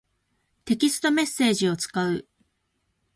テキストメッセージを使う。